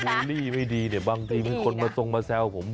บูลี่ไม่ดีเนี่ยบางทีมันคนมันต้องมาแซวผม